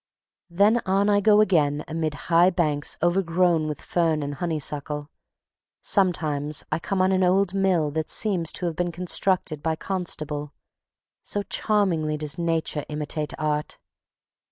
Then on I go again amid high banks overgrown with fern and honeysuckle. Sometimes I come on an old mill that seems to have been constructed by Constable, so charmingly does Nature imitate Art.